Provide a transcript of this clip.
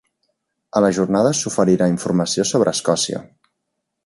A la jornada s'oferirà informació sobre Escòcia.